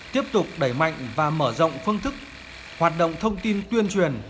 tiếp tục đẩy mạnh và mở rộng phương thức hoạt động thông tin tuyên truyền